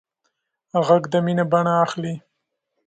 غږ د مینې بڼه اخلي